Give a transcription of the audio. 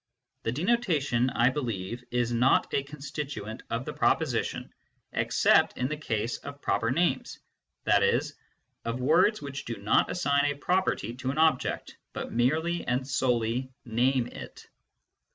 The denotation, I believe, is not a con stituent of the proposition, except in the case of proper names, i.e. of words which do not assign a property to an object, but merely and solely name it.